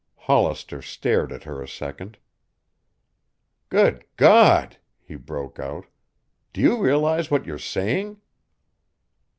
Hollister stared at her a second. "God God!" he broke out. "Do you realize what you're saying?"